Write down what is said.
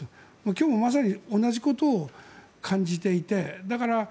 今日もまさに同じことを感じていて。